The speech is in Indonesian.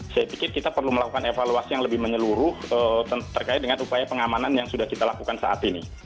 saya pikir kita perlu melakukan evaluasi yang lebih menyeluruh terkait dengan upaya pengamanan yang sudah kita lakukan saat ini